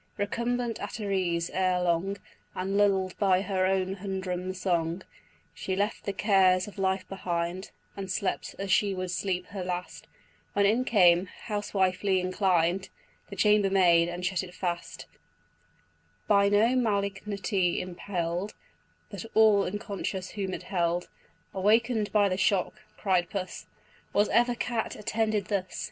Recumbent at her ease, ere long, And lull'd by her own humdrum song, She left the cares of life behind, And slept as she would sleep her last, When in came, housewifely inclined, The chambermaid, and shut it fast; By no malignity impell'd, But all unconscious whom it held. Awaken'd by the shock (cried Puss) "Was ever cat attended thus?